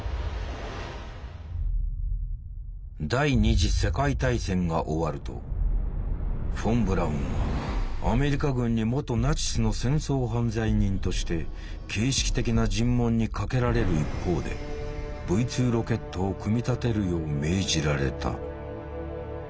第二次世界大戦が終わるとフォン・ブラウンはアメリカ軍に元ナチスの戦争犯罪人として形式的な尋問にかけられる一方でＶ２ロケットを組み立てるよう命じられた。